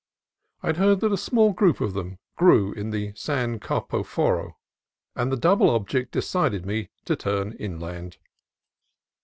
I had heard that a small group of them grew in the San Carp6 foro; and the double object decided me to turn in land.